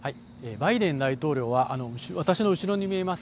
バイデン大統領は私の後ろに見えます